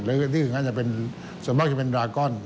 และที่อื่นจะเป็นส่วนมากจะเป็นรากร